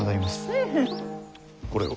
うん。これを。